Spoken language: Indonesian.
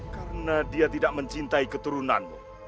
karena dia tidak mencintai keturunanmu